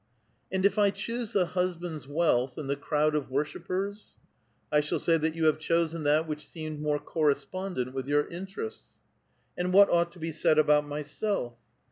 "And if I choose the husband's wealth and the crowd of worshippers ?"" I sliall say that you have chosen that which seemed more correspondent with your interests." " And what ought to be said about myself?